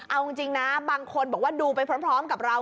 เอาจริงนะบางคนบอกว่าดูไปพร้อมกับเรา